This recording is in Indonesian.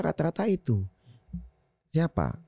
rata rata itu siapa